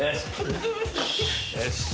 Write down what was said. よし。